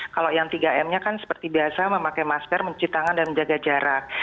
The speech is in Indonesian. kalau yang tiga m nya kan seperti biasa memakai masker mencuci tangan dan menjaga jarak